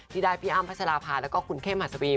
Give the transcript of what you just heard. ที่ได้พี่อ้ำพัชราภาแล้วก็คุณเข้มหัสวี